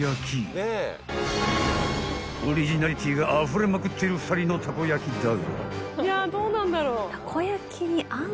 ［オリジナリティーがあふれまくっている２人のたこ焼だが］